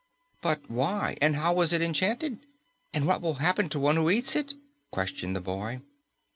"But why? And how was it enchanted? And what will happen to one who eats it?" questioned the boy.